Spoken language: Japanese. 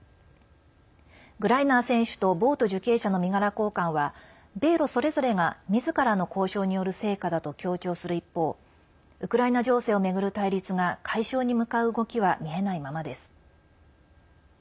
グライナー選手とボウト受刑者の身柄交換は米ロそれぞれが、みずからの交渉による成果だと強調する一方ウクライナ情勢を巡る対立が解消に向かう動きは見えないままです。